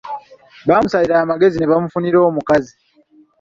Baamusalira amagezi ne bamufunira omukazi